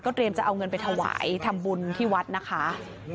เตรียมจะเอาเงินไปถวายทำบุญที่วัดนะคะ